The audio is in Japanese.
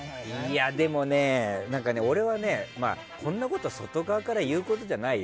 でもね、俺はねこんなこと外側から言うことじゃないよ。